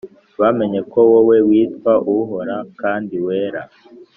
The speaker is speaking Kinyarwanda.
bamenye ko wowe witwa uhora kandi wera